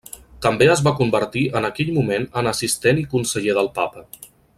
També es va convertir en aquell moment en assistent i conseller del Papa.